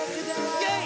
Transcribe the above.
イェイ！